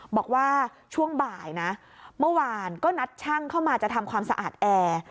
บอกว่าช่วงบ่ายนะเมื่อวานก็นัดช่างเข้ามาจะทำความสะอาดแอร์